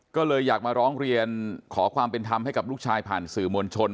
ก็เลยอยากมาร้องเรียนขอความเป็นธรรมให้กับลูกชายผ่านสื่อมวลชน